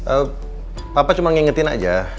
eh papa cuma ngingetin aja